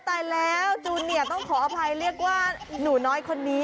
แต่แล้วจูเนียต้องขออภัยเรียกว่าหนูน้อยคนนี้